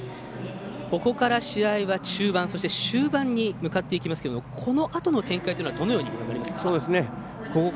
ここから試合は中盤そして終盤に向かっていきますけれどもこのあとの展開はどうご覧になりますか？